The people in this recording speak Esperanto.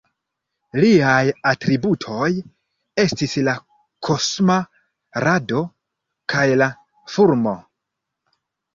Liaj atributoj estis la "Kosma Rado" kaj la fulmo.